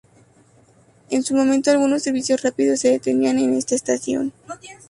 En su momento algunos servicios rápidos se detenían en esta estación.